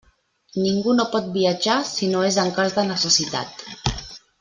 Ningú no pot viatjar, si no és en cas de necessitat.